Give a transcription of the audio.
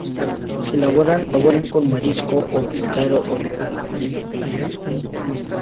Se elaboran o bien con marisco o pescado o bien con cordero.